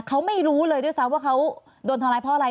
เขาไม่รู้เลยด้วยซ้ำว่าเขาโดนทำร้ายเพราะอะไร